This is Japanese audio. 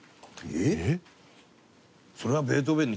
えっ？